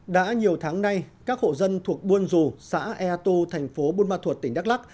đã nhiều tháng nay các hộ dân thuộc buôn dù xã ea tu thành phố buôn ma thuật tỉnh đắk lắc